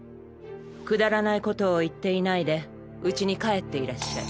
くだらないことを言っていないでうちに帰っていらっしゃい。